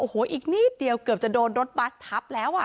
โอ้โหอีกนิดเดียวเกือบจะโดนรถบัสทับแล้วอ่ะ